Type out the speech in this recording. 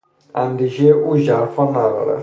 اندیشهی او ژرفا ندارد.